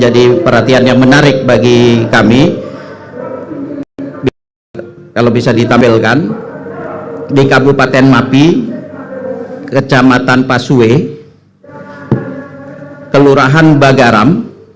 di kabupaten mapi kecamatan paswe kelurahan bagaram